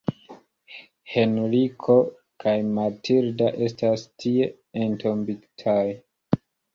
Henriko kaj Matilda estas tie entombigitaj.